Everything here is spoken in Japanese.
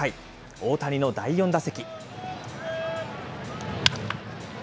大谷の第４打席。